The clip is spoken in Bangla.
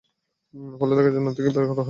ফলে তাঁকে জান্নাত থেকে বের হতে হয়।